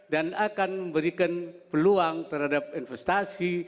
dan akan memberikan peluang terhadap investasi